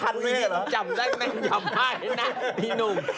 อุจะจำได้แม่งจำได้นะที่หนุ่ม